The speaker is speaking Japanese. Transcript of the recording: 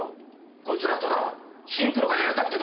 こいつらはただシンクロがやりたくて頑張ってるんです。